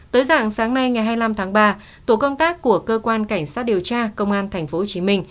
tới dạng sáng nay ngày hai mươi năm tháng ba tổ công tác của cơ quan cảnh sát điều tra công an tp hcm